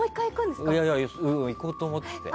行こうと思ってて。